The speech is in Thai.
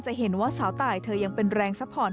เห็นว่าสาวตายเธอยังเป็นแรงซัพพอร์ต